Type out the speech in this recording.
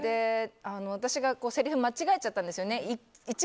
私がせりふ間違えちゃったんですよね。